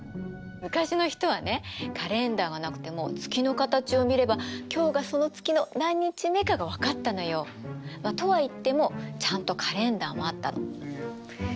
昔の人はねカレンダーがなくても月の形を見れば今日がその月の何日目かが分かったのよ。とは言ってもちゃんとカレンダーもあったの。